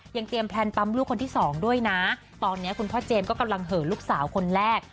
ยังเตรียมแพลนปั๊มลูกคนที่สองด้วยนะตอนนี้คุณพ่อเจมส์ก็กำลังเหอะลูกสาวคนแรก